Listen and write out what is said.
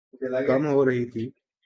کم ہو رہی تھِی